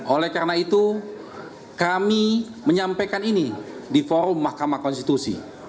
oleh karena itu kami menyampaikan ini di forum mahkamah konstitusi